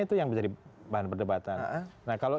itu yang menjadi bahan perdebatan nah kalau